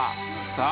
さあ。